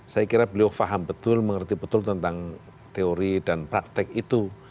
saya kira beliau faham betul mengerti betul tentang teori dan praktek itu